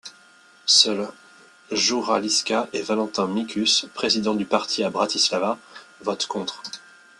Seuls Juraj Liška et Valentín Mikuš, président du parti à Bratislava, votent contre.